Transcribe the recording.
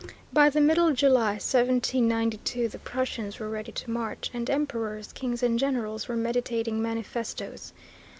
By the middle of July, 1792, the Prussians were ready to march, and emperors, kings, and generals were meditating manifestoes.